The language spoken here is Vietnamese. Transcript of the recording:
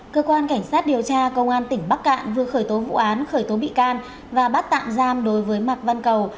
cơ quan cảnh sát điều tra công an tỉnh bắc cạn vừa khởi tố vụ án khởi tố bị can và bắt tạm giam đối với mạc văn cầu